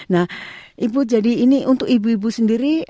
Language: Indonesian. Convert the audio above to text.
nah ibu jadi ini untuk ibu ibu sendiri